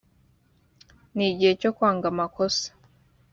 n igihe cyo kwanga amakosa